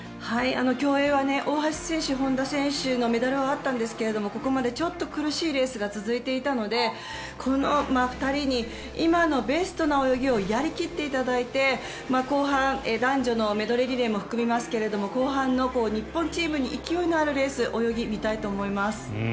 競泳は大橋選手本多選手のメダルはあったんですがここまでちょっと苦しいレースが続いていたのでこの２人に今のベストな泳ぎをやり切っていただいて後半、男女のメドレーリレーも含みますけれど後半の日本のチームに勢いのあるレース、泳ぎ見たいと思います。